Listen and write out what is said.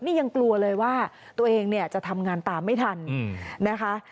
นี่ยังกลัวเลยว่าตัวเองเนี่ยจะทำงานตามไม่ทันนะคะ